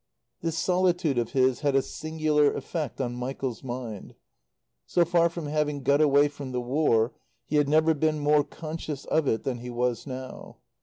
This solitude of his had a singular effect on Michael's mind. So far from having got away from the War he had never been more conscious of it than he was now.